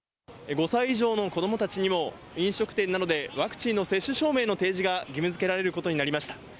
５歳以上の子どもたちにも、飲食店などでワクチンの接種証明の提示が義務づけられることにな